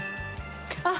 あっ。